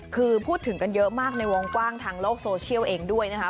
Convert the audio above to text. คือพูดถึงกันเยอะมากในวงกว้างทางโลกโซเชียลเองด้วยนะคะ